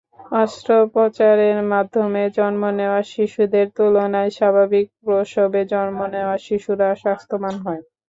অস্ত্রোপচারের মাধ্যমে জন্ম নেওয়া শিশুদের তুলনায় স্বাভাবিক প্রসবে জন্ম নেওয়া শিশুরা স্বাস্থ্যবান হয়।